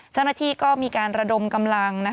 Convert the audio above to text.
เจ้าหน้าที่ก็มีการระดมกำลัง